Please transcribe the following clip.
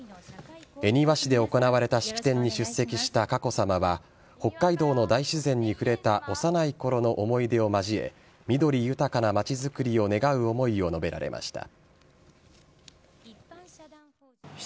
恵庭市で行れた式典に出席した佳子さまは北海道の大自然に触れた幼い頃の思い出を交え緑豊かな街づくりを願う思いを述べられました。